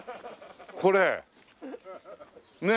これねえ。